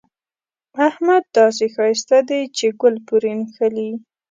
احمد داسې ښايسته دی چې ګل پورې مښلي.